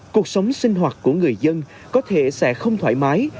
cuộc sống sinh hoạt của người dân có thể sẽ không thoải mái